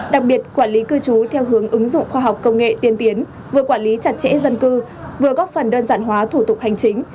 đặc biệt quản lý cư trú theo hướng ứng dụng khoa học công nghệ tiên tiến vừa quản lý chặt chẽ dân cư vừa góp phần đơn giản hóa thủ tục hành chính